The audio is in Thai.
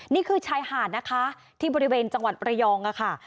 นี่คือชายหาดนะคะที่บริเวณจังหวัดระยองค่ะ